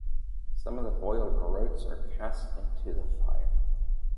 Some of the boiled groats are cast into the fire.